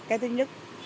cái thứ nhất